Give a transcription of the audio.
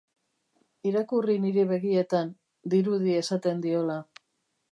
Irakurri nire begietan, dirudi esaten diola.